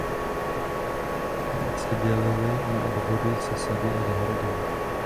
Čtvrtiny se dělily na obvody se sady a zahradami.